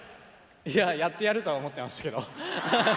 いややってやるとは思ってましたけどアハハ。